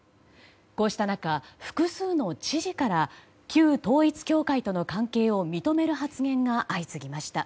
こうした中、複数の知事から旧統一教会との関係を認める発言が相次ぎました。